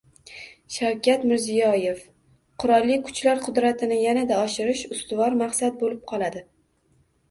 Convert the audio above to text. Shavkat Mirziyoyev: Qurolli Kuchlar qudratini yanada oshirish ustuvor maqsad bo‘lib qoladi